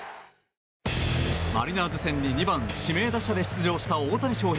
マリナーズ戦に２番指名打者で出場した大谷翔平。